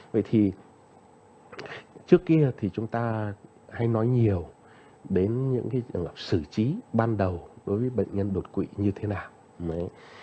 vậy thì trước kia thì chúng ta hay nói nhiều đến những trường hợp sử trí ban đầu đối với bệnh nhân đột quỵ như thế nào